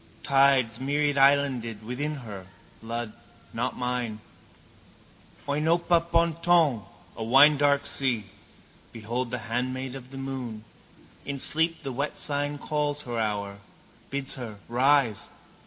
Tides, myriadislanded, within her, blood not mine, oinopa ponton, a winedark sea. Behold the handmaid of the moon. In sleep the wet sign calls her hour, bids her rise.